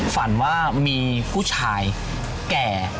ฝันว่ามีผู้ชายแก่